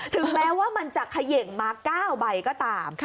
ถึงแม้ว่ามันจะเขย่งมา๙ใบก็ตาม